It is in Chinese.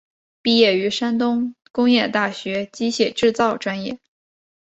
毕业于山东工业大学机械制造专业。